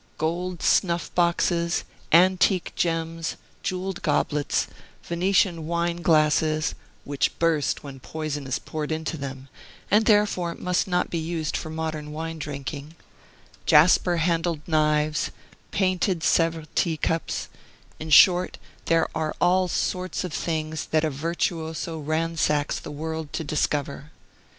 Gold snuff boxes, antique gems, jewelled goblets, Venetian wine glasses (which burst when poison is poured into them, and therefore must not be used for modern wine drinking), jasper handled knives, painted Sevres teacups, in short, there are all sorts of things that a virtuoso ransacks the world to discover.